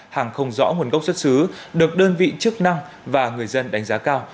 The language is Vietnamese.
hàng không rõ nguồn gốc xuất xứ được đơn vị chức năng và người dân đánh giá cao